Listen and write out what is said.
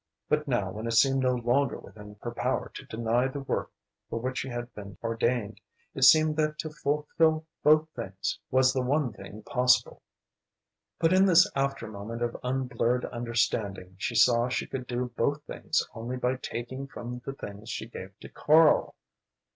But now, when it seemed no longer within her power to deny the work for which she had been ordained, it seemed that to fulfill both things was the one thing possible. But in this after moment of unblurred understanding she saw she could do both things only by taking from the things she gave to Karl.